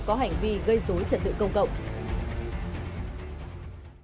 có hành vi gây dối trận tự công cộng